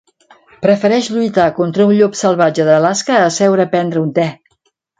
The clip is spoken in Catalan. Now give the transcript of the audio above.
Prefereix lluitar contra un llop salvatge d'Alaska a asseure a prendre un te.